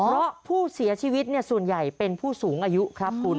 เพราะผู้เสียชีวิตส่วนใหญ่เป็นผู้สูงอายุครับคุณ